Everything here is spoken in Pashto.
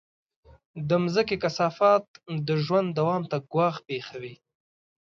د مځکې کثافات د ژوند دوام ته ګواښ پېښوي.